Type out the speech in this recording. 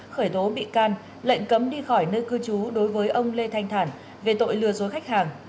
khởi tố bị can lệnh cấm đi khỏi nơi cư trú đối với ông lê thanh thản về tội lừa dối khách hàng